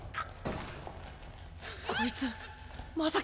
こいつまさか。